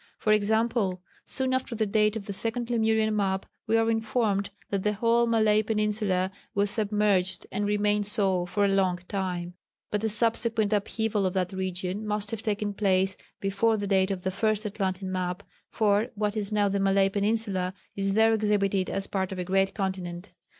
For example, soon after the date of the second Lemurian map we are informed that the whole Malay Peninsula was submerged and remained so for a long time, but a subsequent upheaval of that region must have taken place before the date of the first Atlantean map, for, what is now the Malay Peninsula is there exhibited as part of a great continent.